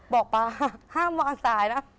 ป๊าห้ามวางสายนะ